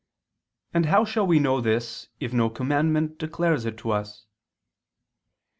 And how shall we know this if no commandment declares it to us?"